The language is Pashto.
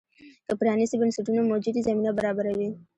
که پرانیستي بنسټونه موجود وي، زمینه برابروي.